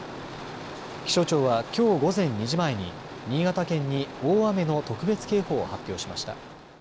気象庁はきょう午前２時前に新潟県に大雨の特別警報を発表しました。